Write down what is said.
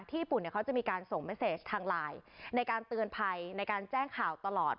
ญี่ปุ่นเนี่ยเขาจะมีการส่งเมสเซจทางไลน์ในการเตือนภัยในการแจ้งข่าวตลอด